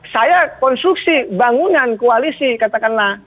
saya konstruksi bangunan koalisi katakanlah